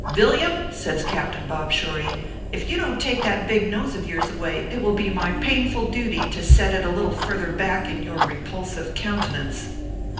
" Villiam," says Captain Bob Shorty, " if you don t take that big nose of yours away, it will be my pain ful duty to set it a little further back in your repul sive countenance."